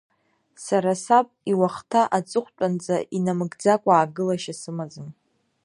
Сара саб иуахҭа аҵыхәтәанӡа инамыгӡакәа аагылашьа сымаӡам!